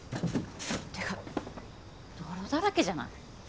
てか泥だらけじゃない？